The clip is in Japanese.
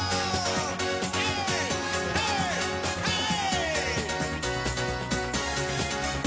ヘイ、ヘイ、ヘイ！